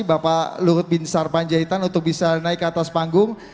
bapak luhut bin sarpanjaitan untuk bisa naik ke atas panggung